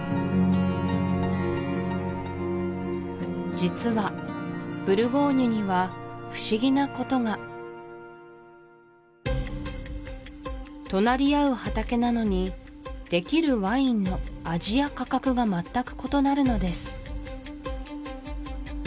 じつはブルゴーニュには不思議なことが隣り合う畑なのにできるワインの味や価格が全く異なるのです